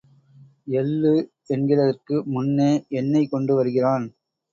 எள்ளூ என்கிறதற்கு முன்னே எண்ணெய் கொண்டு வருகிறான்.